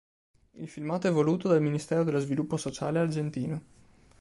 Il filmato è voluto dal Ministero dello sviluppo sociale argentino.